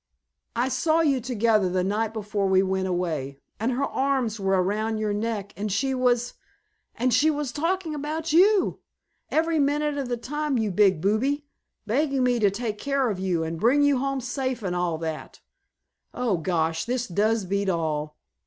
I saw you together the night before we went away, and her arms were around your neck and she was——" "And she was talking about you every minute of the time, you big booby, begging me to take care of you and bring you home safe and all that! Oh, gosh, this does beat all!